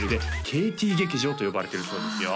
ＫＴ劇場と呼ばれてるそうですよ